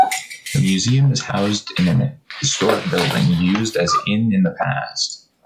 The museum is housed in an historic building, used as inn in the past.